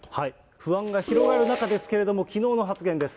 不安が広がる中ですけれども、きのうの発言です。